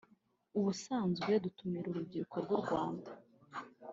“Ubusanzwe dutumira urubyiruko rw’u Rwanda